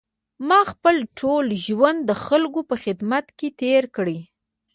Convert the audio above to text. ما خپل ټول ژوند د خلکو په خدمت کې تېر کړی.